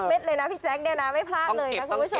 เม็ดเลยนะพี่แจ๊คเนี่ยนะไม่พลาดเลยนะคุณผู้ชม